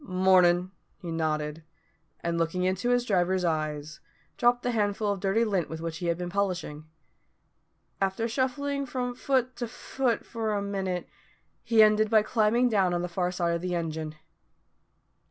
"Mornin'," he nodded, and looking into his driver's eyes, dropped the handful of dirty lint with which he had been polishing. After shuffling from foot to foot for a minute, he ended by climbing down on the far side of the engine.